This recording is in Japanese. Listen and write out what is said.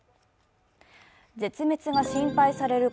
絶滅が心配される